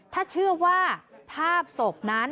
ถ้าเชื่อว่าภาพศพนั้น